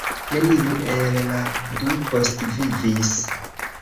Neniu el la du postvivis.